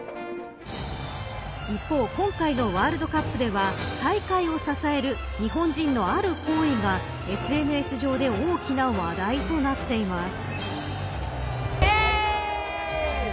一方、今回のワールドカップでは大会を支える日本人のある行為がＳＮＳ上で大きな話題となっています。